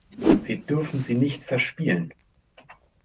Wir dürfen sie nicht verspielen.